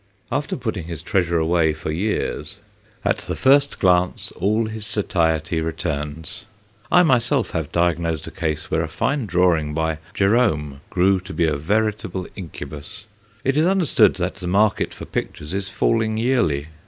After putting his treasure away for years, at the first glance all his satiety returns. I myself have diagnosed a case where a fine drawing by Gerôme grew to be a veritable incubus. It is understood that the market for pictures is falling yearly.